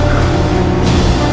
kamu mau serangga